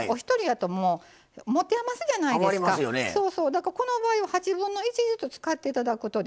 だからこの場合は８分の１ずつ使って頂くとですね